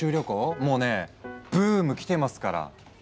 もうねブーム来てますから。